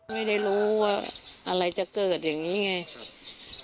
ไม่รู้ว่าอะไรจะเกิดอย่างนี้ไงครับ